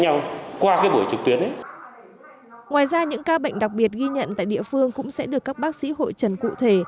ngoài ra những ca bệnh đặc biệt ghi nhận tại địa phương cũng sẽ được các bác sĩ hội trần cụ thể